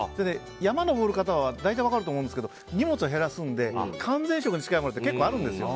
山に登る方は分かると思うんですけど荷物減らすので完全食に近いものって結構あるんですよ。